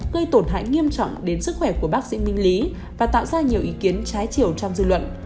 gây tổn hại nghiêm trọng đến sức khỏe của bác sĩ minh lý và tạo ra nhiều ý kiến trái chiều trong dư luận